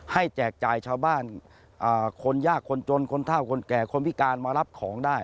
แจกจ่ายชาวบ้านคนยากคนจนคนเท่าคนแก่คนพิการมารับของได้